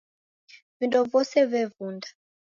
Vindo vose vevunda.